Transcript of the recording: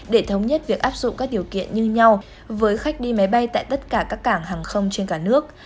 để thống nhất việc áp dụng các điều kiện như nhau với khách đi máy bay tại tất cả các cảng hàng không trên cả nước